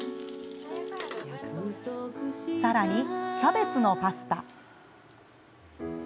さらに、キャベツのパスタ。